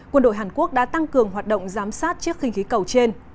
quân đội hàn quốc đã tăng cường hoạt động giám sát chiếc khinh khí cầu trên